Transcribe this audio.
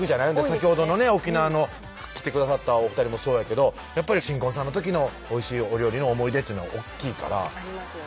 先ほどのね沖縄の来てくださったお２人もそうやけど新婚さんの時のおいしいお料理の思い出っていうのは大っきいからありますよね